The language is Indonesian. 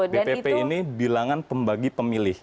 dpp ini bilangan pembagi pemilih